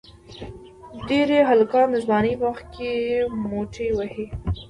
ډېری هلکان د ځوانی په وخت کې موټی وهي.